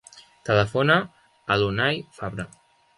Telefona a l'Unay Fabra.